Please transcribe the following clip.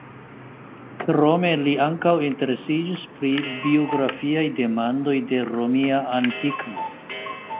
Krome li ankaŭ interesiĝis pri biografiaj demandoj de romia antivko.